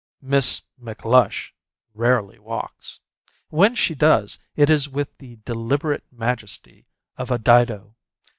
Miss McLush rarely walks. When she does, it is with the deliberate majesty of a Dido.